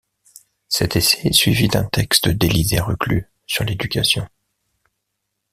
Cet essai est suivi d'un texte d'Élisée Reclus sur l'éducation.